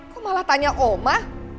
kok malah tanya oma